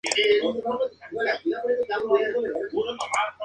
A los once años escribió su primera obra teatral titulada "La Duquesa de Manzanar".